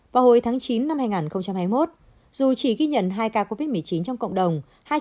vào hồi tháng chín năm hai nghìn hai mươi một dù chỉ ghi nhận hai ca covid một mươi chín trong cộng đồng